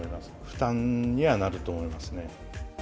負担にはなると思いますね。